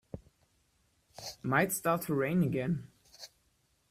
Might start to rain again.